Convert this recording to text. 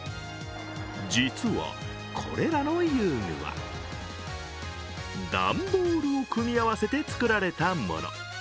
実はこれらの遊具は段ボールを組み合わせて作られたもの。